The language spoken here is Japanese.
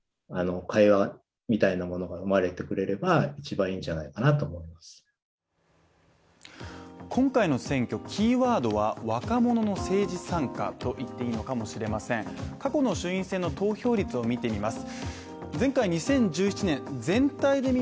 出演者の反応について、監督は今回の選挙キーワードは若者の政治参加と言っていいのかも知れません過去の衆院選の投票率を見てみます。